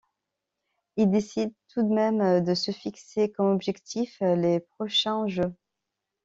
Il décide tout de même de se fixer comme objectif les prochains Jeux.